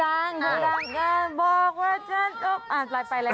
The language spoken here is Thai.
อาจจะลองพอร์ตจริงสิ่งใดเลย